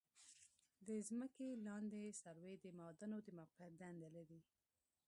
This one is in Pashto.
د ځمکې لاندې سروې د معادنو د موقعیت دنده لري